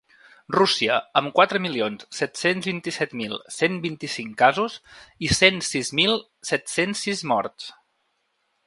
Rússia, amb quatre milions set-cents vint-i-set mil cent vint-i-cinc casos i cent sis mil set-cents sis morts.